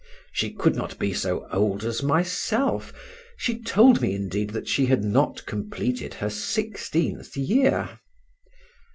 She could not be so old as myself; she told me, indeed, that she had not completed her sixteenth year.